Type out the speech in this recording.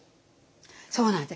そうなんです。